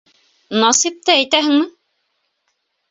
— Насыйпты әйтәһеңме?